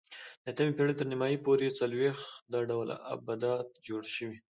د اتمې پېړۍ تر نیمایي پورې څلوېښت دا ډول آبدات جوړ شوي